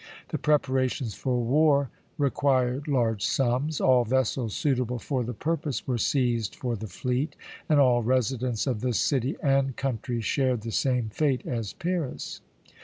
The preparations for war required large sums; all vessels suitable for the purpose were seized for the fleet, and all residents of the city and country shared the same fate as Pyrrhus.